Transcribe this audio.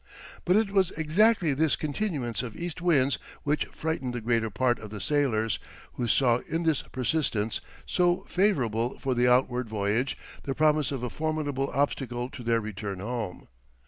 But it was exactly this continuance of east wind which frightened the greater part of the sailors, who saw in this persistence, so favourable for the outward voyage, the promise of a formidable obstacle to their return home.